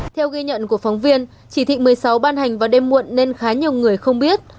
theo ghi nhận của phóng viên chỉ thị một mươi sáu ban hành vào đêm muộn nên khá nhiều người không biết